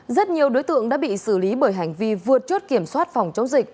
rất nhiều đối tượng đã bị xử lý bởi hành vi vượt chốt kiểm soát phòng chống dịch